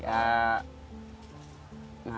ya nungguin ibu